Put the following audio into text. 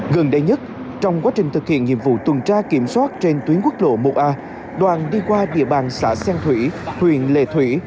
gần đây nhất trong quá trình thực hiện nhiệm vụ tuần tra kiểm soát trên tuyến quốc lộ một a đoạn đi qua địa bàn xã xen thủy huyện lệ thủy